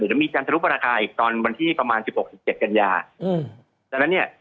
เดี๋ยวมีการทะลุปราคาอีกตอนวันที่ประมาณสิบหกสิบเจ็ดกันยาอืมดังนั้นเนี่ย